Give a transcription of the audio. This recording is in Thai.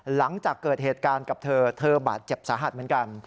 หลังจากเกิดเหตุการณ์กับเธอเธอบาดเจ็บสาหัสเหมือนกัน